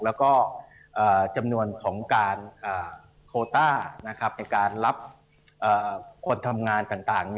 แล้วก็จำนวนของการโคต้าในการรับคนทำงานต่าง